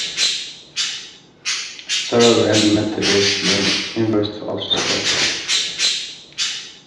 Cyril and Methodius University of Skopje.